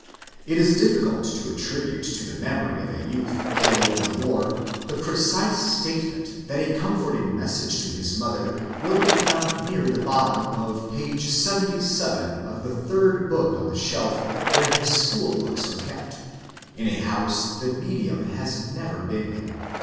It is difficult to attribute to the memory of a youth killed in the war the precise statement that a comforting message to his mother will be found near the bottom of page 77 of the third book on the shelf where his school books are kept, in a house the medium has never been in.